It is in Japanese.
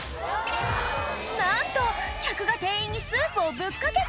なんと客が店員にスープをぶっかけた！